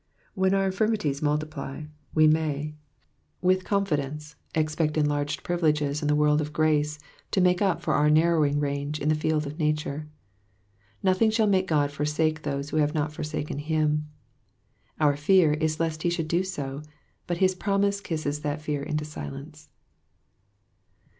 When our infirmities multiply, we may, with confidence, expect enlarged piivileges in the world of grace, to make up for our narrowing range in the field of nature. Nothing shall make God forsake those who have not forsaken him. Our fear is lest he should do so ; b»it his promise kisses that fear into silence.